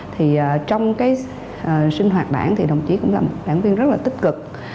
thì trong cái sinh hoạt bản thì đồng chí cũng là một bản viên rất là tích cực